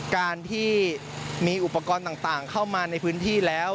การที่มีอุปกรณ์ต่างเข้ามาในพื้นที่แล้ว